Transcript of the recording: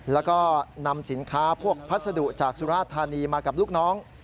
แล้วก็นำสินค้าพวกพัสดุจากสุราธานีมากับลูกน้อง